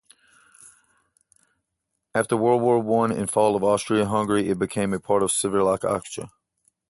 After World War One and fall of Austria-Hungary it became a part of Czechoslovakia.